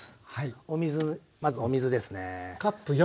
お水まずお水ですね。